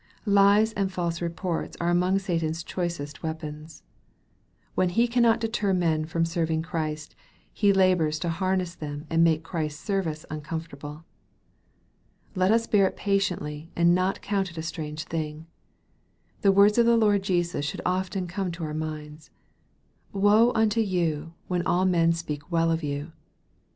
Lies and false reports are among Satan's choicest weapons. When he cannot deter men from serv ing Christ, he labors to harass them and make Christ's service uncomfortable. Let us bear it patiently, and not count it a strange thing. The words of the Lord Jesus should often come to our minds :" Woe unto you, when all men shall speak well of you."